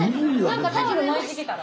何かタオル巻いてきたら？